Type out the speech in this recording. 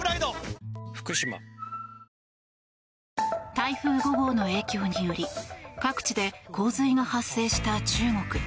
台風５号の影響により各地で洪水が発生した中国。